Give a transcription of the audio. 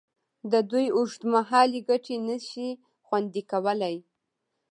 د دوی اوږدمهالې ګټې نشي خوندي کولې.